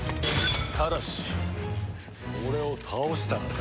ただし俺を倒せたらな。